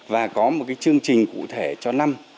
và có một cái chương trình cụ thể cho năm